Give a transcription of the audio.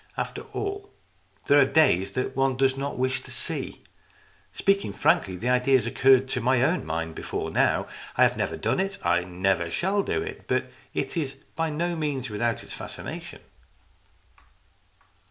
After all, there are days that one does not wish to see. Speaking frankly, the idea has LOCRIS OF THE TOWER 199 occurred to my own mind before now. I have never done it, and never shall do it. But it is by no means without its fascination."